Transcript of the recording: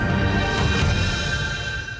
saya akan mencari kepuasan